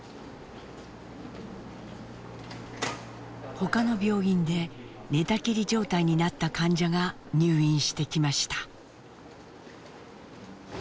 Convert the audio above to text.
他の病院で寝たきり状態になった患者が入院してきました。